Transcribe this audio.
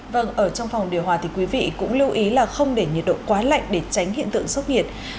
vâng ở trong phòng điều hòa thì quý vị cũng lưu ý là không để nhiệt độ quá lạnh để tránh hiện tượng sốc nhiệt